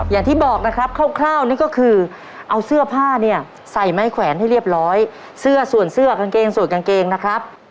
อย่างที่บอกนะครับคร่าวนี่ก็คือเอาเสื้อผ้าเนี่ยใส่ไม้แขวนให้เรียบร้อยเสื้อส่วนเสื้อกางเกงส่วนกางเกงนะครับ